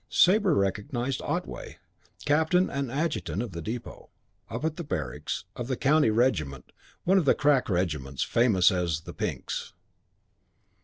Sabre recognised Otway, captain and adjutant of the depot, up at the barracks, of the county regiment, one of the crack regiments, famous as "The Pinks."